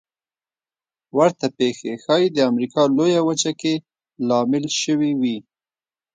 ورته پېښې ښايي د امریکا لویه وچه کې لامل شوې وي.